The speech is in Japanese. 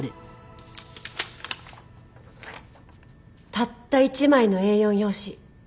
たった１枚のＡ４用紙。